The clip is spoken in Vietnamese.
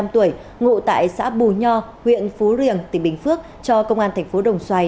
một mươi năm tuổi ngụ tại xã bù nho huyện phú riềng tỉnh bình phước cho công an thành phố đồng xoài